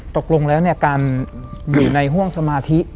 ตกลงแล้วการอยู่ในห่วงสมาธิ